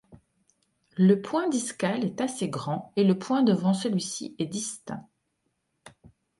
Le point discal est assez grand et le point devant celui-ci est distinct.